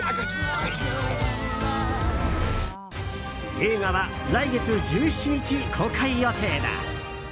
映画は来月１７日公開予定だ。